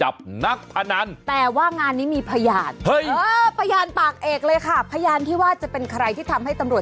ไหนแม่คนไหนแม่คนไหนไปชี้สิ